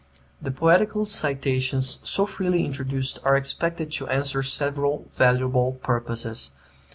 The poetical citations so freely introduced are expected to answer several valuable purposes.